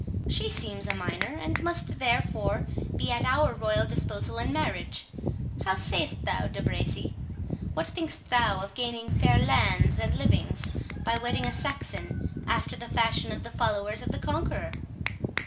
She seems a minor, and must therefore be at our royal disposal in marriage.—How sayst thou, De Bracy? What thinkst thou of gaining fair lands and livings, by wedding a Saxon, after the fashion of the followers of the Conqueror?"